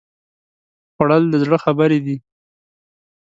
خوړل د زړه خبرې دي